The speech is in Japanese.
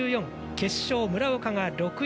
決勝、村岡が６位。